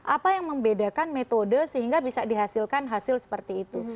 apa yang membedakan metode sehingga bisa dihasilkan hasil seperti itu